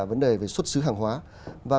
vấn đề về xuất xứ hàng hóa và